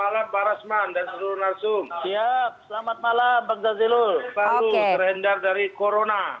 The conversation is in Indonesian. lalu terhendak dari corona